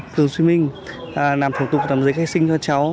phường duy minh làm thủ tục đăng giấy khai sinh cho cháu